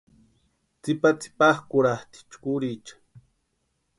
Tsïpantsïpakʼurhatʼi chkurhicha.